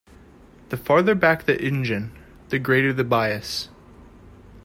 The farther back the engine, the greater the bias.